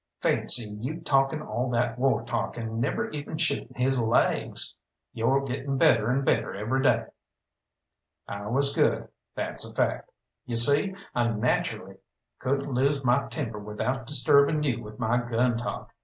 Fancy, you taking all that war talk, and never even shooting his laigs. Yo're getting better'n better every day." "I was good, that's a fact. You see, I nacherally couldn't lose my temper without disturbing you with my gun talk.